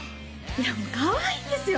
いやもうかわいいんですよ